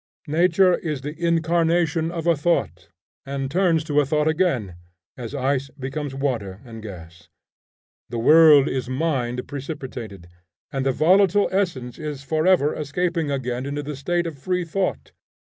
Nature is the incarnation of a thought, and turns to a thought again, as ice becomes water and gas. The world is mind precipitated, and the volatile essence is forever escaping again into the state of free thought.